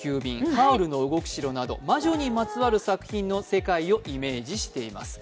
「ハウルの動く城」など魔女にまつわる作品の世界をイメージしています。